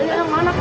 ini yang mana dek